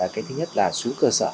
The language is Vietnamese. cái thứ nhất là xuống cơ sở